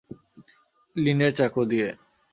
লিনের চাকু দিয়ে!